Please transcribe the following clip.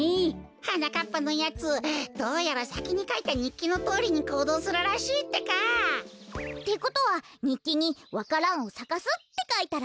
はなかっぱのやつどうやらさきにかいたにっきのとおりにこうどうするらしいってか。ってことはにっきに「わか蘭をさかす」ってかいたら？